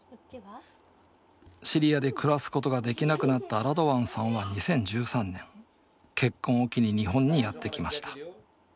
シリアで暮らすことができなくなったラドワンさんは２０１３年結婚を機に日本にやって来ました。